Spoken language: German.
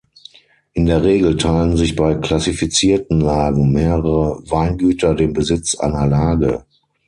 In der Regel teilen sich bei klassifizierten Lagen mehrere Weingüter den Besitz einer Lage.